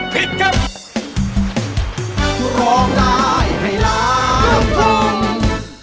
พร้อมผิดกับ